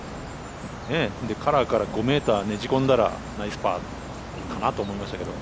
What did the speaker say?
カラーから５ｍねじ込んだらナイスパーかなと思いましたけど。